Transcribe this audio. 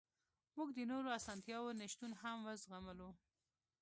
موږ د نورو اسانتیاوو نشتون هم وزغملو